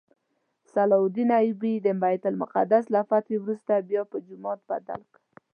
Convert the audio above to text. صلاح الدین ایوبي د بیت المقدس له فتحې وروسته بیا په جومات بدل کړ.